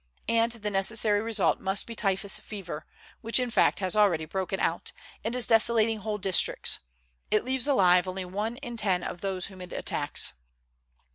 And the necessary result must be typhus fever, which in fact has already broken out, and is desolating whole districts; it leaves alive only one in ten of those whom it attacks."